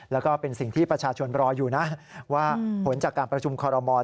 แล้วก็เป็นสิ่งที่ประชาชนรออยู่นะว่าผลจากการประชุมคอรมอล